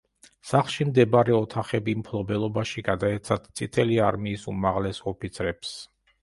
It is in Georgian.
სახლში მდებარე ოთახები მფლობელობაში გადაეცათ წითელი არმიის უმაღლეს ოფიცრებს.